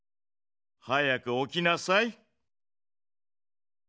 早くおきなさい。